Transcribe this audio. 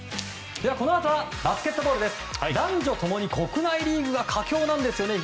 このあとはバスケットボールです。